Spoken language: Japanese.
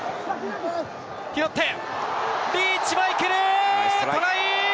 拾って、リーチマイケル。